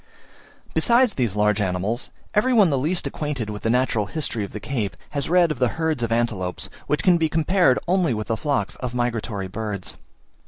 Besides these large animals, every one the least acquainted with the natural history of the Cape, has read of the herds of antelopes, which can be compared only with the flocks of migratory birds.